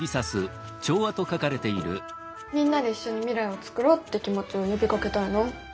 「みんなで一緒に未来をつくろう」って気持ちを呼びかけたいな。